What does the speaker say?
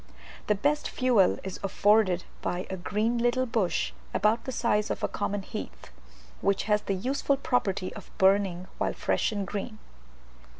The best fuel is afforded by a green little bush about the size of common heath, which has the useful property of burning while fresh and green.